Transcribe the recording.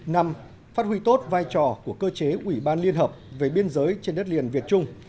năm phát huy tốt vai trò của cơ chế ủy ban liên hợp về biên giới trên đất liền việt trung